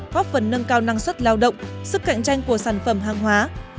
góp phần nâng cao năng suất lao động sức cạnh tranh của sản phẩm hàng hóa